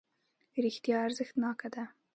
رښتیا ارزښتناکه ده.